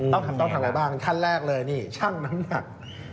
ต้องทำอะไรบ้างขั้นแรกเลยนี่ช่างน้ำหนัก